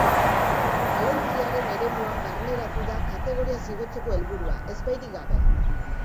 Balentriaren eremuan barneratu da kategoriaz igotzeko helburua, ezbairik gabe.